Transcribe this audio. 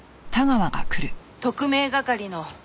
特命係の。